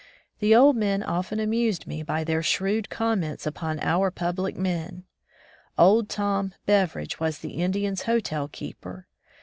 The old men often amused me by their shrewd comments upon our public men. "Old Tom" Beveredge was the Indians* hotel keeper.